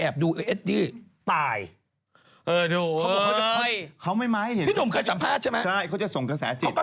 เอดดี้ไงเอดดี้